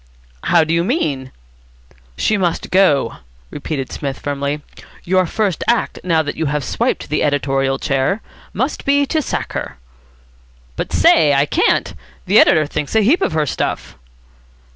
"How do you mean?" "She must go," repeated Psmith firmly. "Your first act, now that you have swiped the editorial chair, must be to sack her." "But, say, I can't. The editor thinks a heap of her stuff."